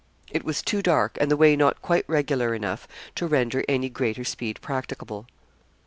It was too dark, and the way not quite regular enough, to render any greater speed practicable.